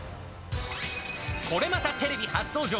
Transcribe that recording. これまたテレビ初登場！